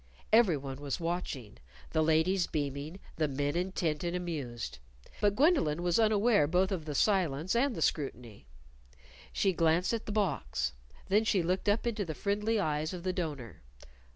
Everyone was watching, the ladies beaming, the men intent and amused. But Gwendolyn was unaware both of the silence and the scrutiny. She glanced at the box. Then she looked up into the friendly eyes of the donor.